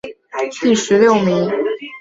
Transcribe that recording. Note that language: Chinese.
天顺八年甲申科进士第二甲第十六名。